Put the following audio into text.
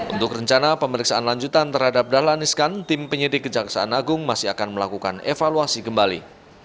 untuk rencana pemeriksaan lanjutan terhadap dahlan iskan tim penyidik kejaksaan agung masih akan melakukan evaluasi kembali